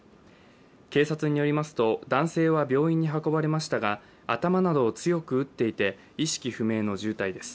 警察によりますと、男性は病院に運ばれましたが頭などを強く打っていて意識不明の重体です。